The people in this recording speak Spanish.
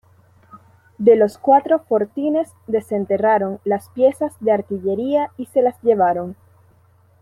De los cuatro fortines desenterraron las piezas de artillería y se las llevaron.